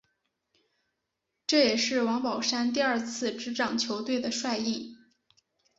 这也是王宝山第二次执掌球队的帅印。